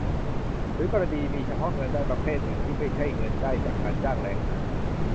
หรือกรณีมีเฉพาะเงินได้ประเภทอื่นที่ไม่ใช่เงินได้จากการจ้างแรงงาน